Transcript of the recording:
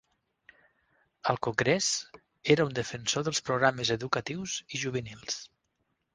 Al congrés era un defensor dels programes educatius i juvenils.